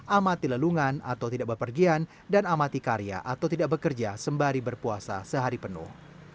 amati lelungan atau tidak berpergian dan amati karya atau tidak bekerja sembari berpuasa sehari penuh